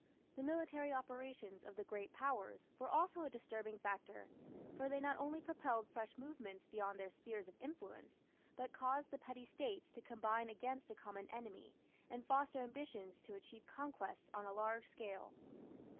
The military operations of the great Powers were also a disturbing factor, for they not only propelled fresh movements beyond their spheres of influence, but caused the petty States to combine against a common enemy and foster ambitions to achieve conquests on a large scale.